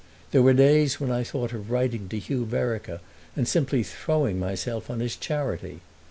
There were days when I thought of writing to Hugh Vereker and simply throwing myself on his charity.